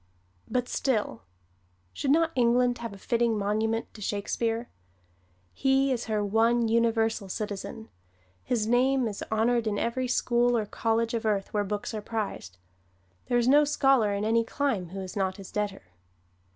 But still, should not England have a fitting monument to Shakespeare? He is her one universal citizen. His name is honored in every school or college of earth where books are prized. There is no scholar in any clime who is not his debtor.